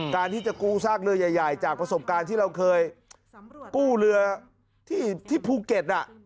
การที่จะกู้ซากเรือใหญ่จากประสบการณ์ที่เราเคยกู้เรือที่ภูเก็ต